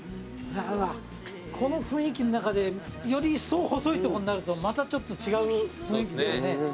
この雰囲気の中でよりいっそう細いとこになるとまたちょっと違う雰囲気。